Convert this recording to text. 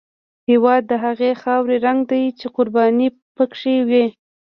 هېواد د هغې خاورې رنګ دی چې قرباني پکې وي.